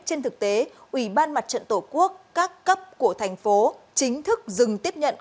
trên thực tế ủy ban mặt trận tổ quốc các cấp của thành phố chính thức dừng tiếp nhận